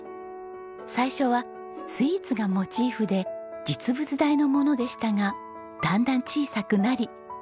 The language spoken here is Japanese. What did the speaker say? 最初はスイーツがモチーフで実物大のものでしたがだんだん小さくなり。